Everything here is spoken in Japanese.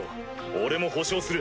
俺も保証する。